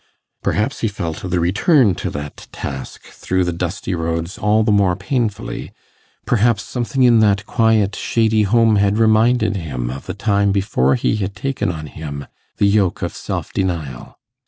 Perhaps he felt the return to that task through the dusty roads all the more painfully, perhaps something in that quiet shady home had reminded him of the time before he had taken on him the yoke of self denial.